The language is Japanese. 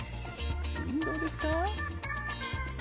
どうですか？